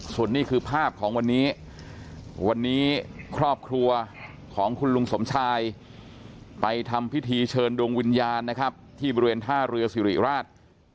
ส่วนนี้คือภาพของวันนี้วันนี้ครอบครัวของคุณลุงสมชายไปทำพิธีเชิญดวงวิญญาณนะครับที่บริเวณท่าเรือสิริราช